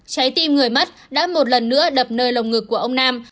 trái tim người mất đã một lần nữa đập nơi lồng ngực của ông nam